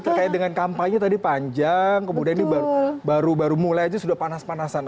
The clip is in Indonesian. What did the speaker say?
terkait dengan kampanye tadi panjang kemudian ini baru baru mulai aja sudah panas panasan